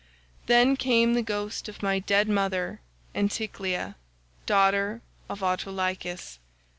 Then came the ghost of my dead mother Anticlea, daughter to Autolycus.